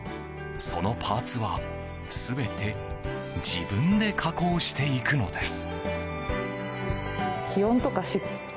そのパーツは全て自分で加工していくのです。